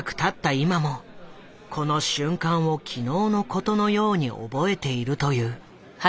今もこの瞬間を昨日のことのように覚えていると言う。